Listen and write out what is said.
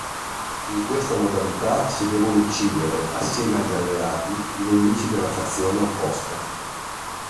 In questa modalità si devono uccidere, assieme agli alleati, i nemici della fazione opposta.